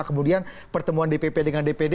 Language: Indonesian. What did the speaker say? kemudian pertemuan dpp dengan dpd